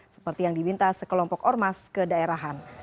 seperti yang diminta sekelompok ormas ke daerahan